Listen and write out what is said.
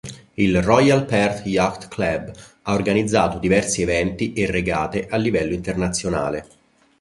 Il Royal Perth Yacht Club ha organizzato diversi eventi e regate a livello internazionale.